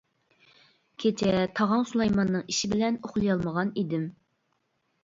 كېچە تاغاڭ سۇلايماننىڭ ئىشى بىلەن ئۇخلىيالمىغان ئىدىم.